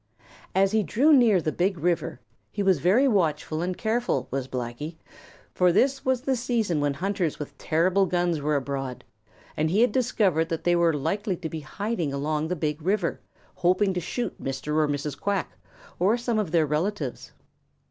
As he drew near the Big River, he was very watchful and careful, was Blacky, for this was the season when hunters with terrible guns were abroad, and he had discovered that they were likely to be hiding along the Big River, hoping to shoot Mr. or Mrs. Quack or some of their relatives.